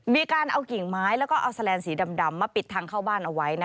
มีการเอากิ่งไม้แล้วก็เอาแลนสีดำมาปิดทางเข้าบ้านเอาไว้